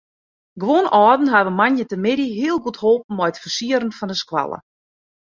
Guon âlden hawwe moandeitemiddei heel goed holpen mei it fersieren fan de skoalle.